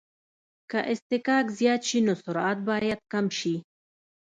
که اصطکاک زیات شي نو سرعت باید کم شي